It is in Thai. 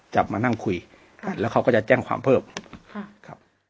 กลับมานั่งคุยกันแล้วเขาก็จะแจ้งความเพิ่มครับ